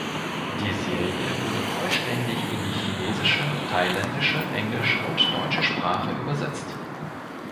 Die Serie wurde vollständig in die chinesische, thailändische, englische und deutsche Sprache übersetzt.